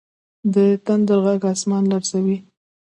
د تندر ږغ اسمان لړزوي.